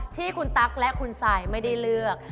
ที่คุณตั๊กและคุณซายไม่ได้เลือก